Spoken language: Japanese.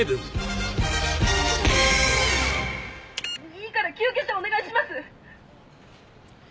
「いいから救急車をお願いします！」